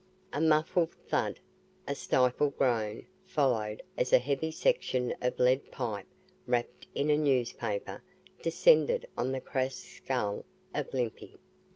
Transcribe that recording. A muffled thud, a stifled groan followed as a heavy section of lead pipe wrapped in a newspaper descended on the crass skull of Limpy.